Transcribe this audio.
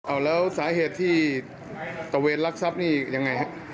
อ้าวแล้วสาเหตุที่ตระเวทลักษัพนี่ยังไงครับ